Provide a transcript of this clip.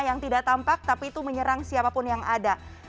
yang tidak tampak tapi itu menyerang siapapun yang ada